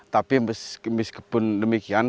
tapi meskipun demikian